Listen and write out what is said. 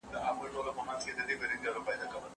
هغه به نن ماښام کور ته راشي.